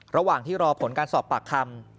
ระหว่างที่รอผลการสอบปากคำ